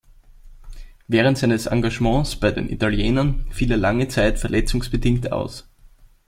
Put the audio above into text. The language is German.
Während seines Engagements bei den Italienern fiel er lange Zeit verletzungsbedingt aus.